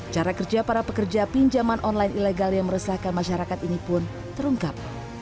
cara kerja para pekerja pinjaman online ilegal yang meresahkan masyarakat ini pun terungkap